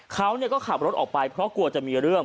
เขาก็ขับรถออกไปเพราะกลัวจะมีเรื่อง